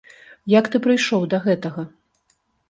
Як ты прыйшоў да гэтага?